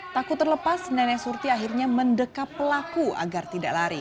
takut terlepas nenek surti akhirnya mendekat pelaku agar tidak lari